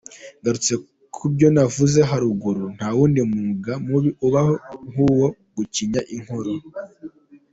Ngarutse kubyo navuze haruguru, nta wundi mwuga mubi ubaho nk’uwo gucinya inkoro.